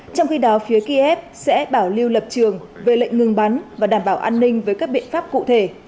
trong khi đó phía kiev sẽ bảo lưu lập trường về lệnh ngừng bắn và đảm bảo an ninh với các biện pháp cụ thể